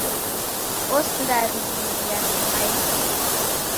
Osindarighiria mae dii.